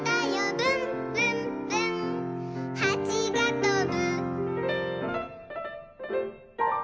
「ぶんぶんぶんはちがとぶ」